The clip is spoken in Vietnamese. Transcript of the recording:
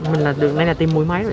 mình là đây là tiêm mũi mấy vậy